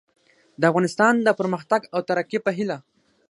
د افغانستان د پرمختګ او ترقي په هیله